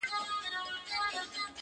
د لېوه بچی آخر د پلار په خوی سي -